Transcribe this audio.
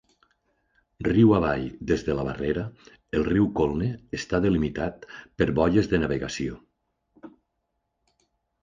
Riu avall des de la barrera, el riu Colne està delimitat per boies de navegació.